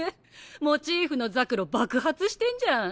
モチーフのざくろ爆発してんじゃん。